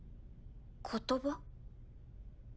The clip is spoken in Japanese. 言葉？